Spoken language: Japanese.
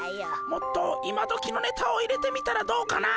もっと今どきのネタを入れてみたらどうかな。